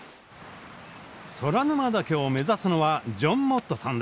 空沼岳を目指すのはジョン・モットさんです。